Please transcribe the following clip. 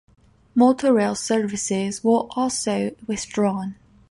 Motorail services were also withdrawn.